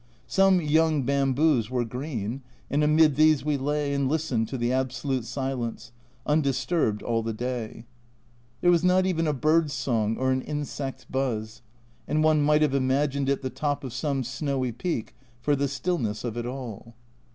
Some young bamboos were green, and amid these we lay and listened to the absolute silence, undisturbed all the day. There was not even a bird's song or an insect's buzz, and one might have imagined it the top of some snowy peak for the stillness of it all.